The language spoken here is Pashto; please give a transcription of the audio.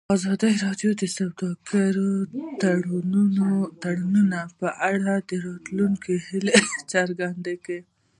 ازادي راډیو د سوداګریز تړونونه په اړه د راتلونکي هیلې څرګندې کړې.